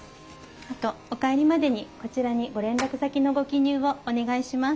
あとお帰りまでにこちらにご連絡先のご記入をお願いします。